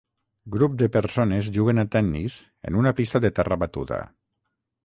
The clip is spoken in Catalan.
Grup de persones juguen a tennis en una pista de terra batuda.